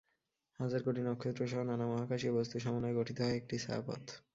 হাজার কোটি নক্ষত্রসহ নানা মহাকাশীয় বস্তুর সমন্বয়ে গঠিত হয় একটি ছায়াপথ।